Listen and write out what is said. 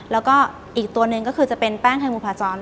แล้วก็อีกตัวหนึ่งก็คือจะเป็นแป้งไฮมูพาจร